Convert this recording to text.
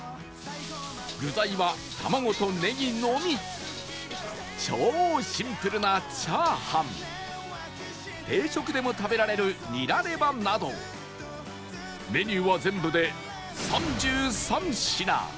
具材は卵とネギのみ超シンプルな炒飯定食でも食べられるニラレバなどメニューは全部で３３品